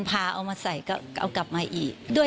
ประเทศสรุปเบาไล่ใส่ที่ที่เราตามแล้ว